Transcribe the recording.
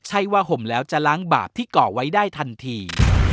ใช่ว่าห่มแล้วจะล้างบาปที่ก่อไว้ได้ทันที